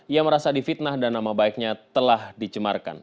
ia merasa di fitnah dan nama baiknya telah dicemarkan